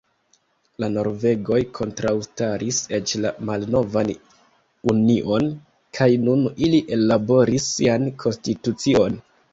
La norvegoj kontraŭstaris eĉ la malnovan union kaj nun ili ellaboris sian konstitucion.